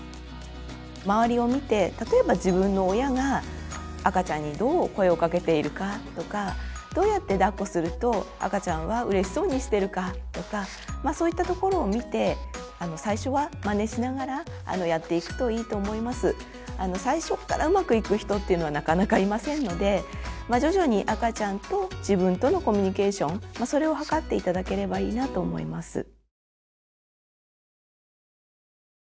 まわりを見て例えば自分の親が赤ちゃんにどう声をかけているかとかどうやってだっこすると赤ちゃんはうれしそうにしてるかとかそういったところを見て最初からうまくいく人っていうのはなかなかいませんので徐々に赤ちゃんと自分とのコミュニケーションそれを図って頂ければいいなと思います。